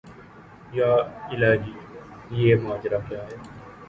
یا الٰہی یہ ماجرا کیا ہے